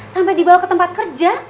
sampai dibawa ke tempat kerja